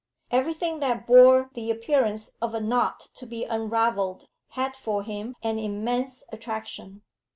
Everything that bore the appearance of a knot to be unravelled had for him an immense attraction.